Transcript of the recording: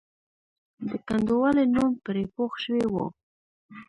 د کنډوالې نوم پرې پوخ شوی وو.